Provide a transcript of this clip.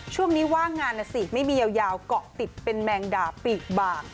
ช่วงนี้ว่างงานนะสิไม่มียาวเกาะติดเป็นแมงดาปีกบาง